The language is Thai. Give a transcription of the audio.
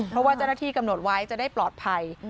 เพราะว่าเจ้าหน้าที่กำหนดไว้จะได้ปลอดภัย